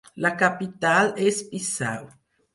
La capital és Bissau.